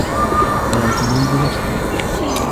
اعتنِ بنفسك.